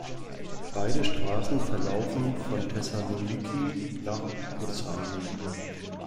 Beide Straßen verlaufen von Thessaloniki nach Kozani.